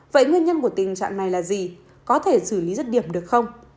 vậy nguyên nhân của tình trạng này là gì có thể xử lý rất điểm được không